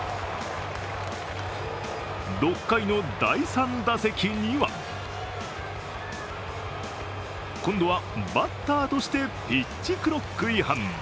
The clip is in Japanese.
６回の第３打席には今度はバッターとしてピッチクロック違反。